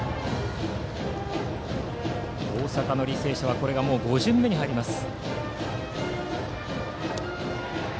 大阪の履正社はもうこれで５巡目に入ります。